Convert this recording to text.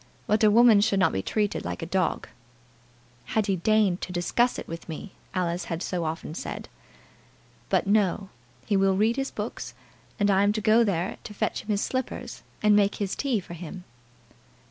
But a woman should not be treated like a dog. "Had he deigned to discuss it with me!" Alice had so often said. "But, no; he will read his books, and I am to go there to fetch him his slippers, and make his tea for him."